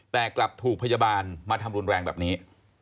แต่กลับถูกพยาบาลมาทำรุนแรงแบบนี้